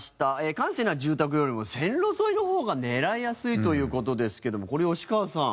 閑静な住宅よりも線路沿いの方が狙いやすいという事ですけどもこれ吉川さん。